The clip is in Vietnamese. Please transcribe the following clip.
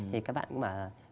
thì các bạn cũng mà